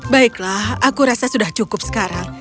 baiklah aku rasa sudah cukup sekarang